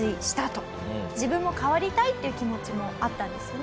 自分も変わりたいっていう気持ちもあったんですよね？